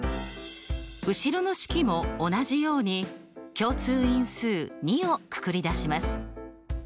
後ろの式も同じように共通因数２をくくり出します。